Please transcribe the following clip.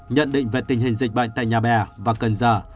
nhận định về tình hình dịch bệnh tại nhà bè và cần giờ